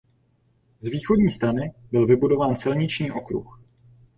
Z východní strany byl vybudován silniční okruh.